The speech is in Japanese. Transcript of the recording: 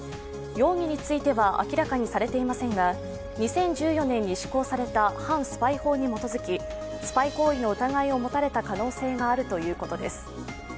容疑については明らかにされていませんが２０１４年に施行された反スパイ法に基づきスパイ行為の疑いを持たれた可能性があるということです。